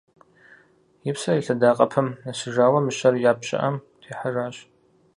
И псэр и лъэдакъэпэм нэсыжауэ, мыщэр я пщыӏэм техьэжащ.